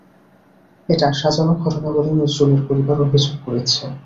এটা সাজানো ঘটনা বলে নজরুলের পরিবার অভিযোগ করেছে।